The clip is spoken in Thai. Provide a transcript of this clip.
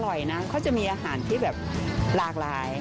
นะเขาจะมีอาหารที่แบบหลากหลาย